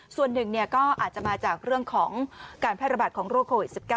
ส่วนหนึ่งก็อาจจะมาจากเรื่องของการแพร่ระบาดของโรคโควิด๑๙